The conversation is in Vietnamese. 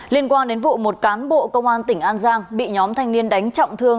liên quan đến vụ một cán bộ công an tỉnh an giang bị nhóm thanh niên đánh trọng thương